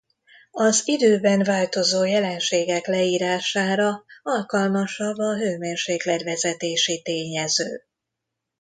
Az időben változó jelenségek leírására alkalmasabb a hőmérséklet-vezetési tényező.